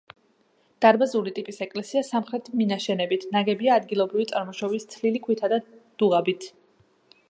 დარბაზული ტიპის ეკლესია სამხრეთი მინაშენით, ნაგებია ადგილობრივი წარმოშობის თლილი ქვითა და დუღაბით.